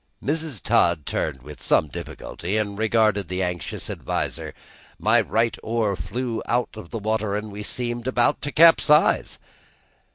Mrs. Todd turned with some difficulty and regarded the anxious adviser, my right oar flew out of water, and we seemed about to capsize.